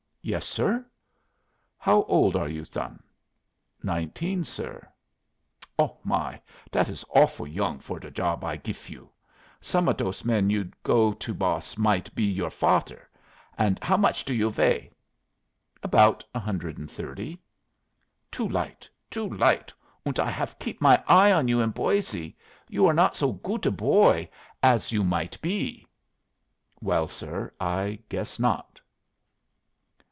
"Yes, sir." "How old are you, son?" "Nineteen, sir." "Oh my, that is offle young for the job I gif you. Some of dose man you go to boss might be your father. Und how much do you weigh?" "About a hundred and thirty." "Too light, too light. Und I haf keep my eye on you in Boise. You are not so goot a boy as you might be." "Well, sir, I guess not."